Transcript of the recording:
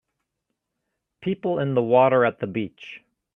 People in the water at the beach